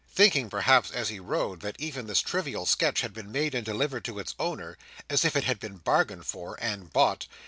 Thinking, perhaps, as he rode, that even this trivial sketch had been made and delivered to its owner, as if it had been bargained for and bought.